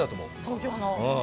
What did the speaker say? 東京の。